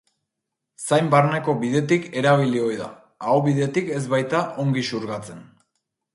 Zain-barneko bidetik erabili ohi da, aho-bidetik ez baita ongi xurgatzen.